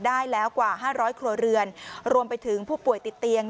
ได้แล้วกว่า๕๐๐ครัวเรือนรวมไปถึงผู้ป่วยติดเตียง